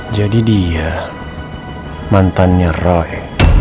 jadi dia mantannya roy